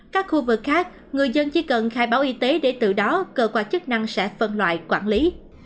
các khu vực khác người dân chỉ cần khai báo y tế để từ đó cơ quan chức năng sẽ phân loại quản lý